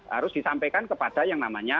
harus disampaikan kepada yang namanya